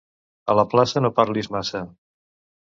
A la plaça, no parlis massa.